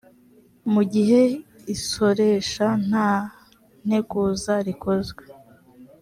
mu gihe isoresha nta nteguza rikozwe